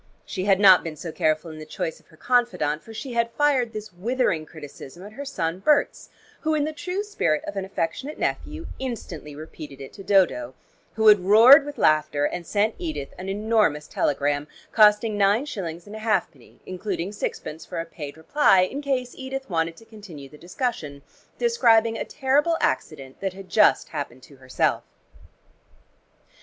She had not been so careful in the choice of her confidant, for she had fired this withering criticism at her son Berts, who in the true spirit of an affectionate nephew instantly repeated it to Dodo, who had roared with laughter and sent Edith an enormous telegram (costing nine shillings and a halfpenny, including sixpence for a paid reply in case Edith wanted to continue the discussion) describing a terrible accident that had just happened to herself.